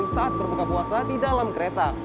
saat berbuka puasa di dalam kereta